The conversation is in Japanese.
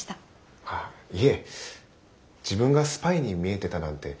いえ自分がスパイに見えてたなんて